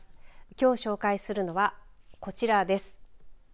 きょう紹介するのはこちらです。